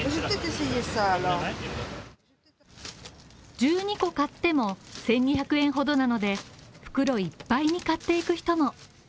１２個買っても１２００円ほどなので、袋いっぱいに買っていく人も。